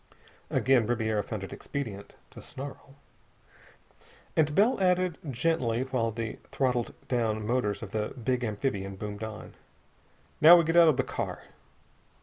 Again Ribiera found it expedient to snarl. And Bell added, gently, while the throttled down motors of the big amphibian boomed on: "Now get out of the car."